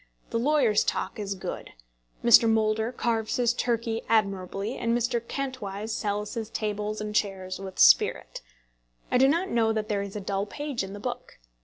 The lawyer's talk is good. Mr. Moulder carves his turkey admirably, and Mr. Kantwise sells his tables and chairs with spirit. I do not know that there is a dull page in the book.